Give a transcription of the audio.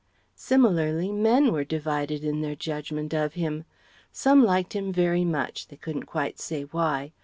Similarly men were divided in their judgment of him. Some liked him very much, they couldn't quite say why.